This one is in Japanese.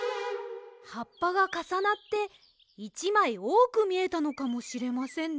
はっぱがかさなって１まいおおくみえたのかもしれませんね。